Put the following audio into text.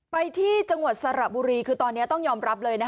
ไปที่จังหวัดสระบุรีคือตอนนี้ต้องยอมรับเลยนะคะ